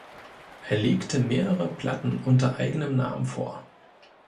Er legte mehrere Platten unter eigenem Namen vor.